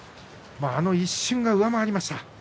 あの一瞬が上回りました。